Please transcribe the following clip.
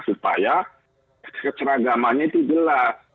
supaya keceragamannya tidak jelas